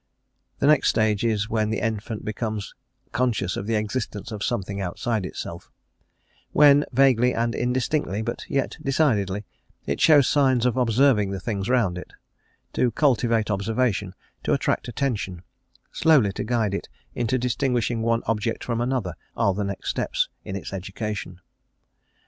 The next stage is when the infant becomes conscious of the existence of something outside itself: when, vaguely and indistinctly, but yet decidedly, it shows signs of observing the things around it: to cultivate observation, to attract attention, slowly to guide it into distinguishing one object from another, are the next steps in its education.